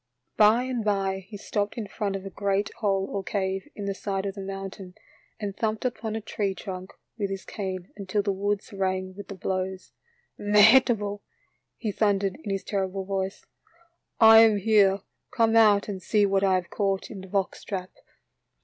By and by he stopped in front of a great hole or cave in the side of the mountain, and thumped upon a tree trunk with his cane until the woods rang with the blows. " Mehitable," he thundered in his terrible voice, M I am here, come out and see what I have caught in the box trap."